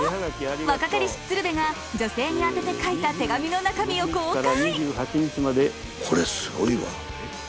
若かりし鶴瓶が女性に宛てて書いた手紙の中身を公開。